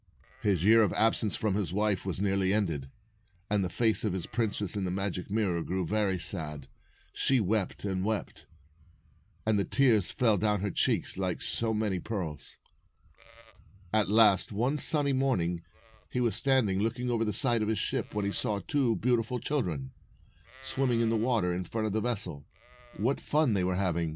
His year of absence from his wife was nearly ended, and the face of the princess in the magic mirror grew very sad. She wept and wept, and the tears fell down her cheeks like so many pearls. At last, one sunny morning, he was standing 256 looking over the side of the ship, when he saw two beautiful children, swimming in the water in front of the vessel. What fun they were hav ing!